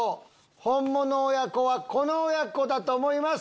ホンモノ親子はこの親子だと思います。